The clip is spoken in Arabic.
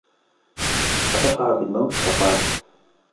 أَتَفْرَحُ بِالْمَوْتِ ؟ فَقَالَ